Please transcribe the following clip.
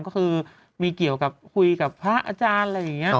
ก็คือมีเกี่ยวกับคุยกับพระอาจารย์อะไรอย่างนี้